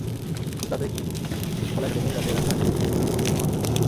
কিন্তু তাতে কী, শিল্পকলা একাডেমির রাতের আকাশ আলোকিত করল মুহুর্মুহু আতশবাজি।